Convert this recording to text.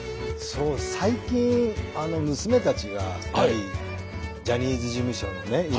そう最近娘たちがやはりジャニーズ事務所のね